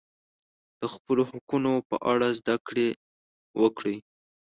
د خپلو حقونو په اړه زده کړه وکړئ.